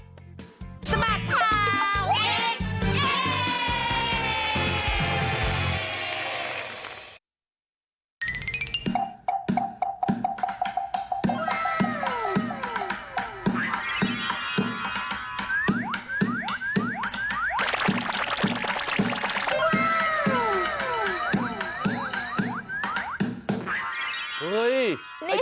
สมัครพลาวเอ็กซ์เอ็กซ์